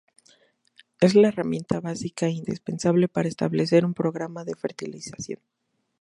Es la herramienta básica e indispensable para establecer un programa de fertilización.